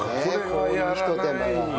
こういうひと手間が。